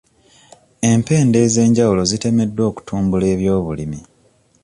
Empenda ez'enjawulo zitemeddwa okutumbula ebyobulimi.